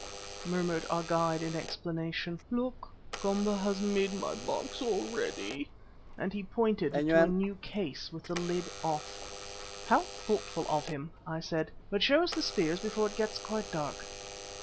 murmured our guide in explanation. "Look, Komba has made my box ready," and he pointed to a new case with the lid off. "How thoughtful of him!" I said. "But show us the spears before it gets quite dark."